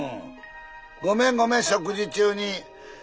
ごめんごめん食事中に。